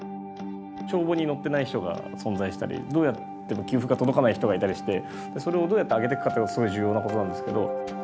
帳簿に載ってない人が存在したりどうやっても給付が届かない人がいたりしてそれをどうやってあげていくかってことがすごい重要なことなんですけど。